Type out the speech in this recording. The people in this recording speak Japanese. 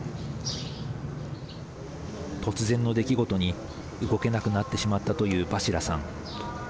突然の出来事に動けなくなってしまったというバシラさん。